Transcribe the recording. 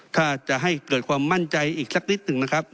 ถ้าจะให้เกิดความมั่นใจอีกสักนิดหนึ่งนะครับ